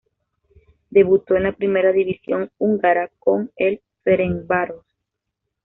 Debutó en la Primera División húngara con el Ferencváros.